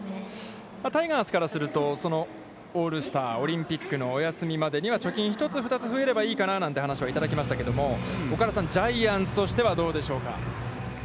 タイガースからするとオールスター、オリンピックのお休みまでには貯金１つ、２つ増えればいいかななんてお話がありましたが岡田さん、ジャイアンツとしてはどうでしょうか。